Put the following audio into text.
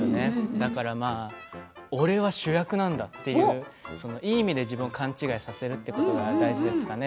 だから俺が主役なんだといういい意味で自分を勘違いさせることが大事ですかね。